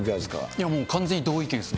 いやもう、完全に同意見です。